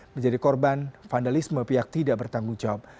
menjadi korban vandalisme pihak tidak bertanggung jawab